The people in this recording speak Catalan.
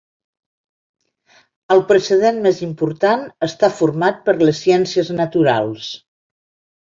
El precedent més important està format per les ciències naturals.